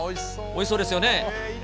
おいしそうですよね。